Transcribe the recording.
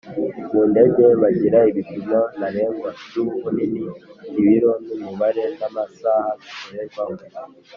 Mu ndege bagira ibipimo ntarengwa by’ ubunini , ibiro n’ umubare n’amasaha bikorerwaho.